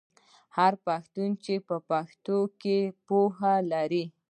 هر پښتون چې په پښتو کې پوهه لري.